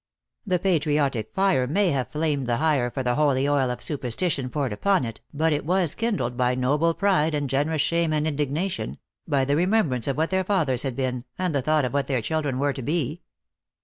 The patriotic fire may have flamed the higher for the holy oil of superstition poured upon it, but it was kindled by noble pride and generous shame and indignation, by the remembrance of what their fathers had been, and the thought of what their children were to be.